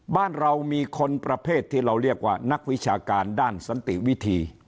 บ้านเรามีคนประเภทที่เราเรียกว่านักวิชาการด้านสันติวิธี